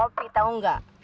opi tau gak